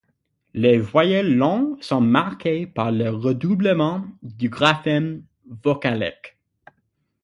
Les voyelles longues sont marquées par le redoublement du graphème vocalique.